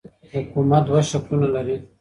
حکومت دوه شکلونه لري.